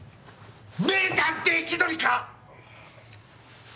名探偵気取りか！